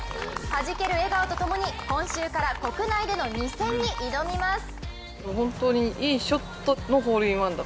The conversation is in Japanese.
はじける笑顔とともに今週から国内での２戦に挑みます。